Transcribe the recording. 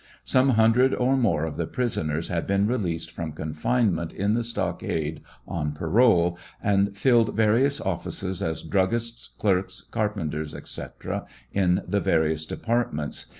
Some hun dred or more of the prisoners had been released from confinement in the stockade on parole, and filled various offices as druggists, clerks, carpenters, etc., in the various departments.